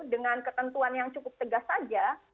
dengan ketentuan yang cukup tegas saja